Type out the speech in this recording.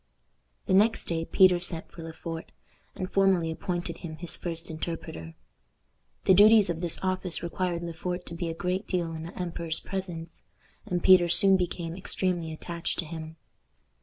The next day Peter sent for Le Fort, and formally appointed him his first interpreter. The duties of this office required Le Fort to be a great deal in the emperor's presence, and Peter soon became extremely attached to him.